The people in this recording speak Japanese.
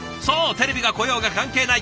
テレビが来ようが関係ない。